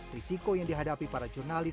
risiko yang dihadapi para jurnalis